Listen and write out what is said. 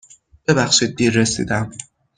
ببخشید دیر رسیدم.